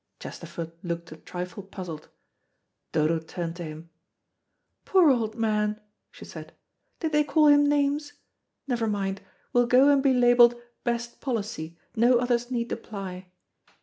Chesterford looked a trifle puzzled. Dodo turned to him. "Poor old man," she said, "did they call him names? Never mind. We'll go and be labelled 'Best policy. No others need apply.'"